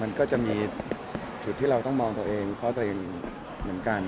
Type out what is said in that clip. มันก็จะมีจุดที่เราต้องมองตัวเองเพราะตัวเองเหมือนกัน